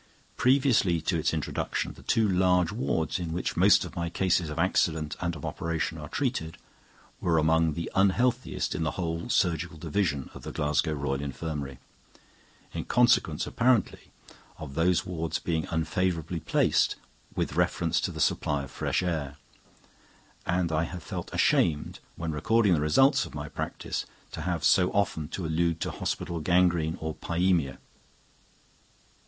Previously to its introduction the two large wards in which most of my cases of accident and of operation are treated were among the unhealthiest in the whole surgical division of the Glasgow Royal Infirmary, in consequence apparently of those wards being unfavorably placed with reference to the supply of fresh air; and I have felt ashamed when recording the results of my practice, to have so often to allude to hospital gangrene or pyaemia.